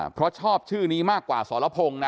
เพราะชอบชื่อนี้มากกว่าสรพงศ์นะ